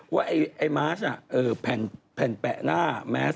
ว่าไอ้มัสเต่ะแผ่นหน้าแมส